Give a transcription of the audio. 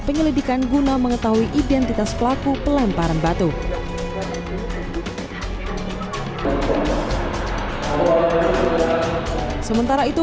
penyelidikan guna mengetahui identitas pelaku pelemparan batu sementara itu